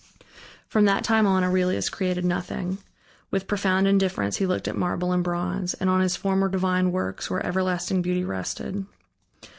From that time on Aurelius created nothing. With profound indifference he looked at marble and bronze, and on his former divine works, where everlasting beauty rested.